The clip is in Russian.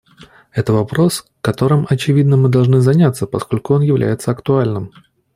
Это вопрос, которым, очевидно, мы должны заняться, поскольку он является актуальным.